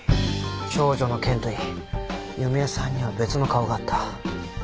長女の件といい弓江さんには別の顔があった。